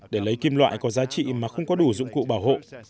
để lấy kim loại có giá trị mà không có đủ dụng cụ bảo hộ